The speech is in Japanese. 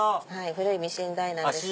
古いミシン台なんですけど。